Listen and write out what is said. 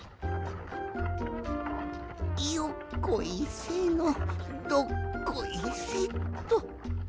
よっこいせのどっこいせっと。